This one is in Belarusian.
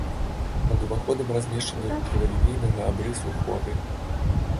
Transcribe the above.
Над уваходам размешчаны крывалінейнага абрысу хоры.